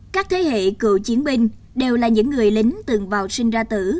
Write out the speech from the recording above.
các thế hệ cựu chiến binh đều là những người lính từng vào sinh ra tử